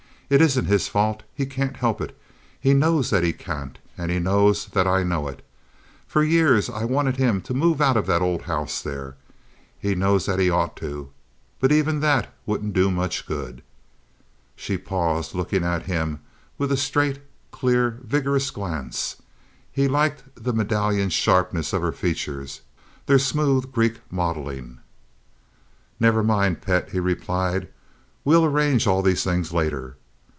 "It isn't his fault. He can't help it. He knows that he can't. And he knows that I know it. For years I wanted him to move out of that old house there. He knows that he ought to. But even that wouldn't do much good." She paused, looking at him with a straight, clear, vigorous glance. He liked the medallion sharpness of her features—their smooth, Greek modeling. "Never mind, pet," he replied. "We will arrange all these things later.